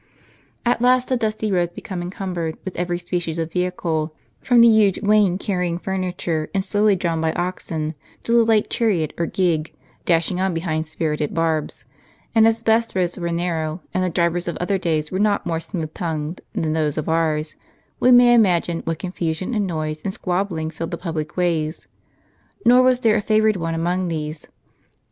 At last the dusty roads become encumbered with every species of vehicle, from the huge wain carrying furniture, and slowly drawn by oxen, to the light chariot or gig, dashing on behind spirited barbs ; and as the best roads were narrow, and the drivers of other days were not more smooth tongued than those of ours, we may imagine Avhat confusion and noise and squabbling filled the public ways. Nor was there a favored one among these.